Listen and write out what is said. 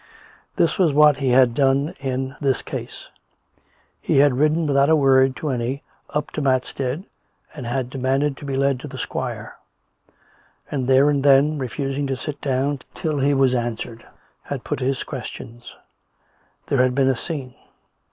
This was what he had done in this case. He had ridden, without a word to any, up to Mat stead, and had demanded to be led to the squire; and there and then, refusing to sit down till he was answered, had put his question. There had been a scene.